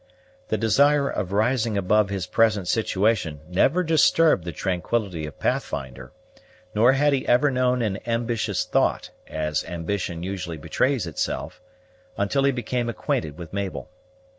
The desire of rising above his present situation never disturbed the tranquillity of Pathfinder; nor had he ever known an ambitious thought, as ambition usually betrays itself, until he became acquainted with Mabel.